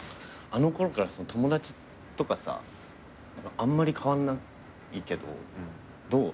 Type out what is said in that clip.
あの頃から友達とかさあんまり変わんないけどどう？